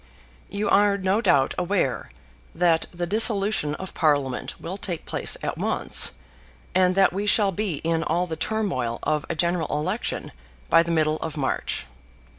You are no doubt aware that the dissolution of Parliament will take place at once, and that we shall be in all the turmoil of a general election by the middle of March.